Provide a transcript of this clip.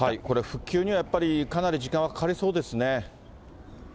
これ、復旧にはやっぱりかなり時間はかかりそうですね。